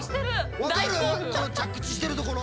この着地してるところ。